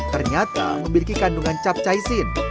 ternyata memiliki kandungan capcaisin